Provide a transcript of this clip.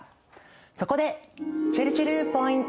そこでちぇるちぇるポイント